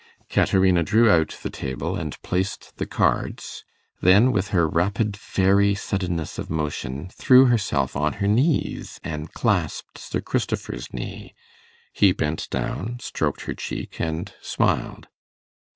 Caterina drew out the table and placed the cards; then, with her rapid fairy suddenness of motion, threw herself on her knees, and clasped Sir Christopher's knee. He bent down, stroked her cheek and smiled.